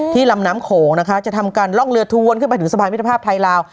ลำน้ำโขงนะคะจะทำการล่องเรือทวนขึ้นไปถึงสะพานมิตรภาพไทยลาว